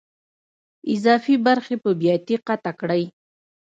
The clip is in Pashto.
اضافي برخې په بیاتي قطع کړئ.